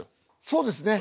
そうですね。